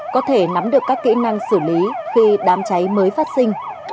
có thể nắm được các kỹ năng xử lý khi đám cháy mới phát sinh